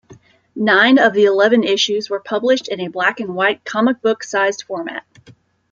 Nine of the eleven issues were published in a black-and-white comic book-sized format.